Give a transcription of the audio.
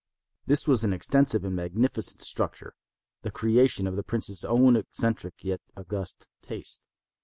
This was an extensive and magnificent structure, the creation of the prince's own eccentric yet august taste.